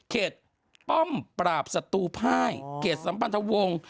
ป้อมปราบศัตรูภายเขตสัมพันธวงศ์